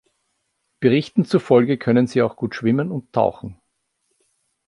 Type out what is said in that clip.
Berichten zufolge können sie auch gut schwimmen und tauchen.